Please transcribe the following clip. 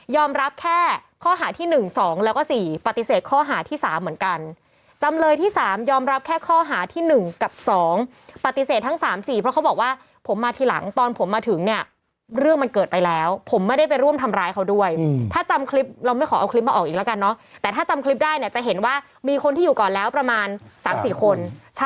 แค่ข้อหาที่๑๒แล้วก็๔ปฏิเสธข้อหาที่สามเหมือนกันจำเลยที่สามยอมรับแค่ข้อหาที่๑กับ๒ปฏิเสธทั้งสามสี่เพราะเขาบอกว่าผมมาทีหลังตอนผมมาถึงเนี่ยเรื่องมันเกิดไปแล้วผมไม่ได้ไปร่วมทำร้ายเขาด้วยถ้าจำคลิปเราไม่ขอเอาคลิปมาออกอีกแล้วกันเนอะแต่ถ้าจำคลิปได้เนี่ยจะเห็นว่ามีคนที่อยู่ก่อนแล้วประมาณ๓๔คน